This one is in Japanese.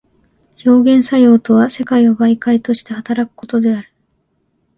表現作用とは世界を媒介として働くことである。